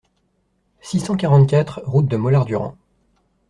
six cent quarante-quatre route de Mollardurand